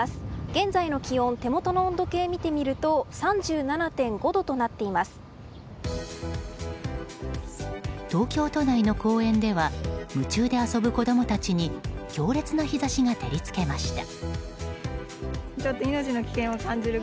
現在の気温手元の温度計を見てみると東京都内の公園では夢中で遊ぶ子供たちに強烈な日差しが照り付けました。